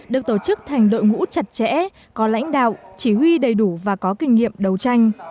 được tổ chức thành đội ngũ chặt chẽ có lãnh đạo chỉ huy đầy đủ và có kinh nghiệm đấu tranh